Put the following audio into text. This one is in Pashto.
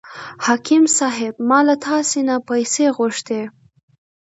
حاکم صاحب ما له تاسې نه پیسې غوښتې.